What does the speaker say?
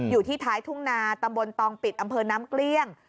อยู่ที่ท้ายทุ่งนาตำบลตองปิดอำเภอน้ำเกลี้ยง